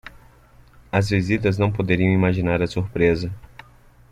As visitas não poderiam imaginar a surpresa